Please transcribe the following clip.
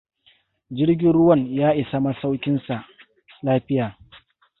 Jirgin wuran ya isa ma tsaukin sa lafiya.